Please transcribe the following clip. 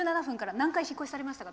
何回、引っ越しされましたか？